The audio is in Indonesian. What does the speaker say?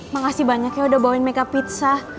makasih banyak ya udah bawain makeup pizza